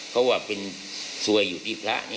เพราะว่าเป็นซวยอยู่ที่พระนี่